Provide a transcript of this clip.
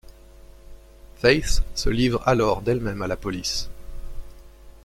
Faith se livre alors d'elle-même à la police.